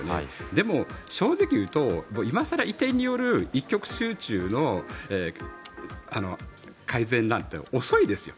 でも、正直言うと今更移転による一極集中の改善なんて遅いですよ。